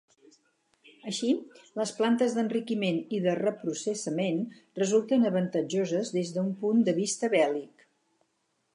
Així, les plantes d'enriquiment i de reprocessament resulten avantatjoses des d'un punt de vista bèl·lic.